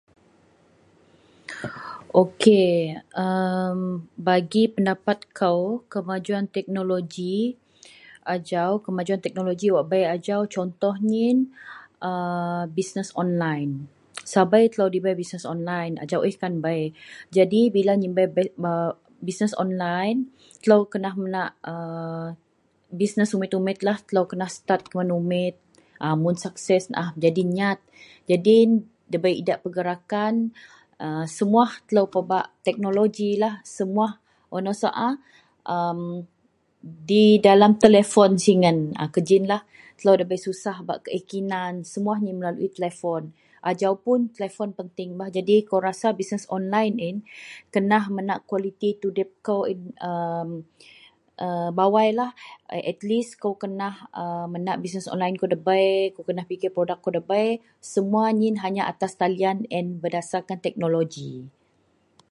Ok a a bagi pendapat kou, kemajuwan teknoloji ajau, kemajuwan teknoloji wak bei ajau contoh nyin a bisnes onlaen. Sabei telou dibei telou bisnes onlaen ajau ih kan bei. Jadi bila nyin bei berbisnes onlaen telou kena menak a bisnes umit-umitlah. Telou kena setat kuman umit. Amun sukses naah jadi nyat. Jadin ndabei idak pergerakan a semuwah telou pebak teknolojilah. Semuwah wak nou sau a, am di dalam telepon singen. Kejinlah telou ndabei susah bak kiih kinan. Semuwah ih melalui telepon. Ajau pun telepon penting. Bah jadi kou rasa bisnes onlaen yin kenah menak kualiti tudip kou yen a a bawailah. Atlis akou kena menak a bisnes onlaen yen akou debei, kou kenah pikir produk kou debei. Semuwa nyin hanya atas talian yen berdasarkan teknoloji.